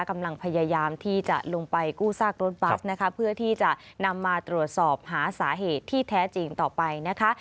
กำลังพยายามที่จะลงไปกู้ซากรถบัสนะคะเพื่อที่จะนำมาตรวจสอบหาสาเหตุที่แท้จริงต่อไปนะคะ